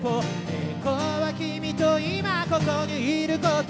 「栄光は君と今ここにいること」